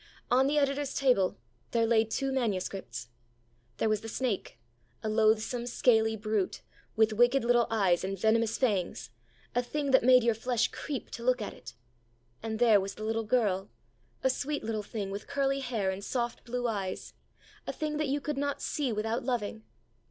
On the editor's table there lay two manuscripts. There was the snake a loathsome, scaly brute, with wicked little eyes and venomous fangs, a thing that made your flesh creep to look at it. And there was the little girl, a sweet little thing with curly hair and soft blue eyes, a thing that you could not see without loving.